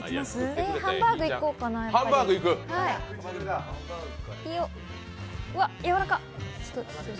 ハンバーグいこうかな、やっぱり。